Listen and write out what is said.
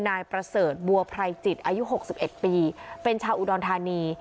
นายประเสริญบัวพรายจิตอายุหกสิบเอ็ดปีเป็นชาวอุดรธานี